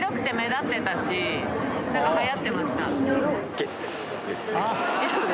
ゲッツですね。